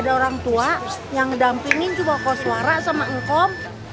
ada orang tua yang ngedampingin juga koswara sama engkom